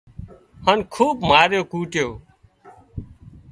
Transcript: هانَ خوٻ ماريو ڪوٽيو